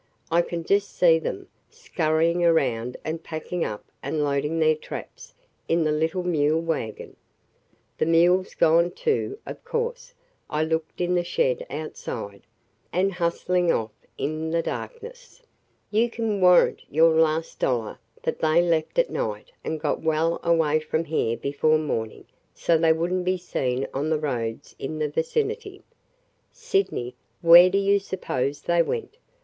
I can just see them, scurrying around and packing up and loading their traps in the little mule wagon (the mule's gone too, of course; I looked in the shed outside) and hustling off in the darkness. You can warrant your last dollar that they left at night and got well away from here before morning so they would n't be seen on the roads in the vicinity!" "Sydney, where do you suppose they went?